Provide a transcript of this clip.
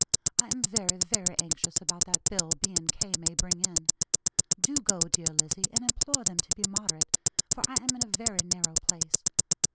I am very, very anxious about that bill B. & K. may bring in. Do go, dear Lizzie, and implore them to be moderate, for I am in a very narrow place.